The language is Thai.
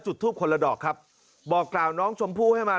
ทูปคนละดอกครับบอกกล่าวน้องชมพู่ให้มา